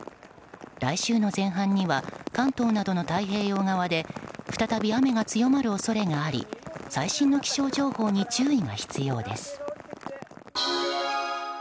来週の前半には関東などの太平洋側で再び雨が強まる恐れがあり最新の気象情報に注意が必要です。